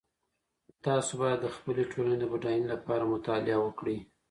تاسو بايد د خپلي ټولني د بډاينې لپاره مطالعه وکړئ.